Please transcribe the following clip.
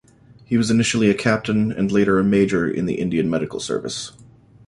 He was initially a Captain, and later a Major, in the Indian Medical Service.